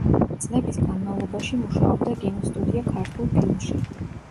წლების განმავლობაში მუშაობდა კინოსტუდია „ქართულ ფილმში“.